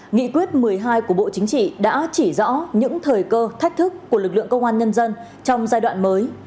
nghị quyết một mươi hai của bộ chính trị đã chỉ rõ những thời cơ thách thức của lực lượng công an nhân dân trong giai đoạn mới